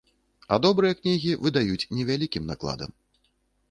А добрыя кнігі выдаюць невялікім накладам.